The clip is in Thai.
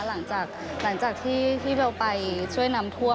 หลังจากที่พี่เบลไปช่วยนำทั่ว